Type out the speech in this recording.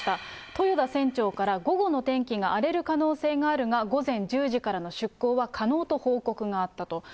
豊田船長から、午後の天気が荒れる可能性があるが午前１０時からの出航は可能と報告があったと。